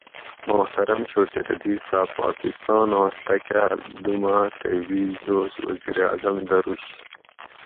محترم شوکت عزیز صاۤب پاکستاناں ڷہ کاۤل دُو ماۤہ تے بیش دوس وزیراعظم دروش